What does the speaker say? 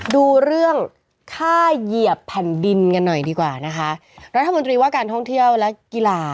ดูเรื่องค่าเหยียบแผ่นดินกันหน่อยดีกว่านะคะรัฐมนตรีว่าการท่องเที่ยวและกีฬา